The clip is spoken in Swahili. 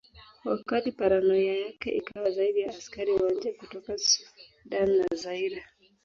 Wakati paranoia yake ikawa zaidi ya askari wa nje kutoka Sudan na Zaire